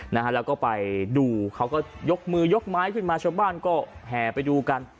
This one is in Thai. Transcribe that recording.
นะฮะแล้วก็ไปดูเขาก็ยกมือยกไม้ขึ้นมาชาวบ้านก็แห่ไปดูกัน